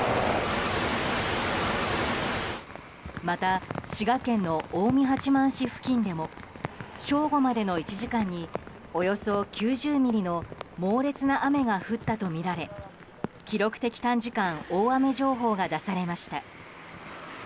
また、滋賀県の近江八幡市付近でも正午までの１時間におよそ９０ミリの猛烈な雨が降ったとみられ記録的短時間大雨情報が出されました。